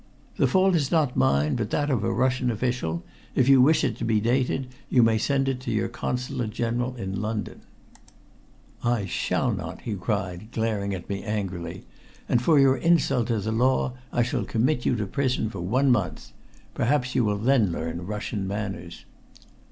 "The fault is not mine, but that of a Russian official. If you wish it to be dated, you may send it to your Consulate General in London." "I shall not," he cried, glaring at me angrily. "And for your insult to the law, I shall commit you to prison for one month. Perhaps you will then learn Russian manners."